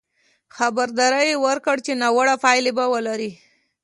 خبرداری یې ورکړ چې ناوړه پایلې به ولري.